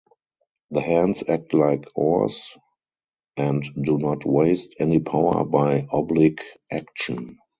The hands act like oars, and do not waste any power by oblique action.